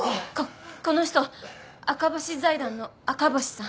ここの人あかぼし財団の赤星さん。